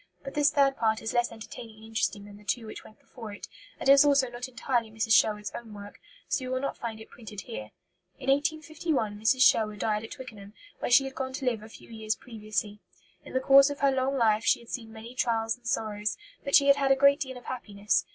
But this third part is less entertaining and interesting than the two which went before it, and is also not entirely Mrs. Sherwood's own work; so you will not find it printed here. In 1851 Mrs. Sherwood died at Twickenham, where she had gone to live a few years previously. In the course of her long life she had seen many trials and sorrows, but she had had a great deal of happiness.